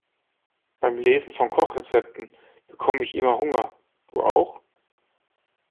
Beim Lesen von Kochrezepten bekomme ich immer Hunger, du auch?